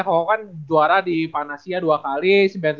kau kan juara di panasia dua kali sembilan puluh tujuh sembilan puluh delapan